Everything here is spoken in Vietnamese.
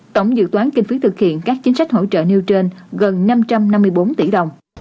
tổng dự toán kinh phí thực hiện các chính sách hỗ trợ nêu trên gần năm trăm năm mươi bốn tỷ đồng